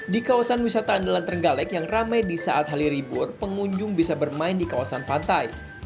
di kawasan wisata andalan terenggalek yang ramai di saat hari libur pengunjung bisa bermain di kawasan pantai